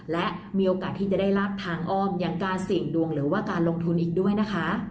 และมีโอกาสที่จะได้ลาบทางอ้อมอย่างการเสี่ยงดวงหรือว่าการลงทุนอีกด้วยนะคะ